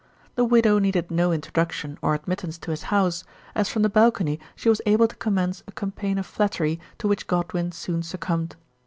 The widow needed no introduction or admit tance to his house, as from the balcony she was able to commence a campaign of flattery to which Godwin soon succumbed.